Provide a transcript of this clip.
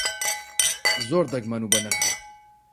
زۆر دەگمەن و بەنرخە.